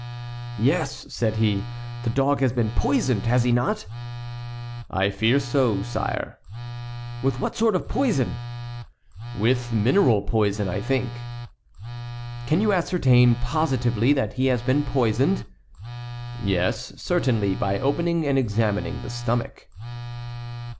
"Yes," said he, "the dog has been poisoned, has he not?" "I fear so, sire." "With what sort of poison?" "With mineral poison, I think." "Can you ascertain positively that he has been poisoned?" "Yes, certainly, by opening and examining the stomach."